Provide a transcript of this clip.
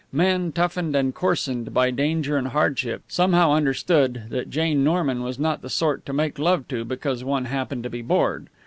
Men, toughened and coarsened by danger and hardship, somehow understood that Jane Norman was not the sort to make love to because one happened to be bored.